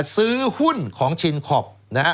ซื้อหุ้นของชินคลอป